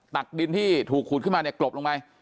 ตักดินที่ถูกขุดขึ้นมาเนี่ยกลบลงไป